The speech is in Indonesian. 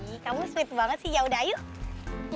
ih kamu sweet banget sih yaudah yuk